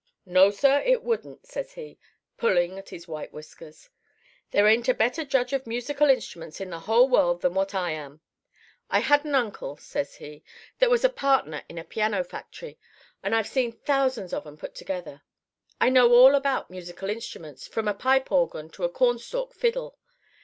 "'No, sir, it wouldn't,' says he, pulling at his white whiskers. 'There ain't a better judge of musical instruments in the whole world than what I am. I had an uncle,' says he, 'that was a partner in a piano factory, and I've seen thousands of 'em put together. I know all about musical instruments from a pipe organ to a corn stalk fiddle.